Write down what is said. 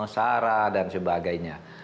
sahara dan sebagainya